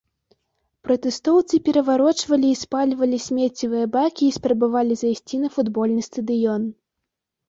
Пратэстоўцы пераварочвалі і спальвалі смеццевыя бакі і спрабавалі зайсці на футбольны стадыён.